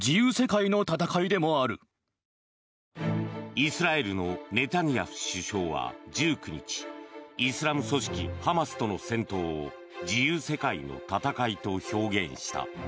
イスラエルのネタニヤフ首相は１９日イスラム組織ハマスとの戦闘を自由世界の戦いと表現した。